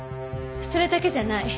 それだけじゃない。